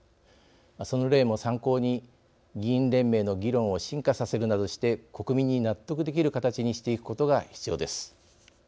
その例も参考に議員連盟の議論を進化させるなどして国民に納得できる形にしていくことが必要です。